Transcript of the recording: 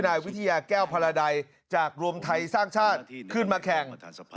นายวิทยาแก้วพรใดจากรวมไทยสร้างชาติขึ้นมาแข่ง